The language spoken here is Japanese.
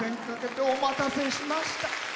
お待たせしました。